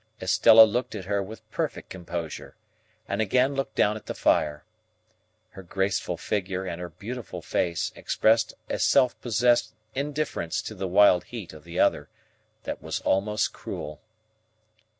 Estella looked at her with perfect composure, and again looked down at the fire. Her graceful figure and her beautiful face expressed a self possessed indifference to the wild heat of the other, that was almost cruel.